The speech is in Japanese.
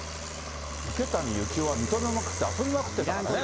池谷幸雄は認めまくって遊びまくってましたからね。